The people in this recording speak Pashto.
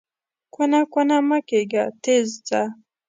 کونه کونه مه کېږه، تېز ځه!